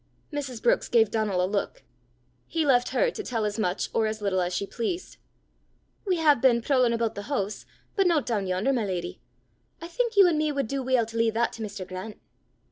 Mrs. Brookes gave Donal a look: he left her to tell as much or as little as she pleased. "We hae been prowlin' aboot the hoose, but no doon yon'er, my leddy. I think you an' me wad do weel to lea' that to Mr. Grant!"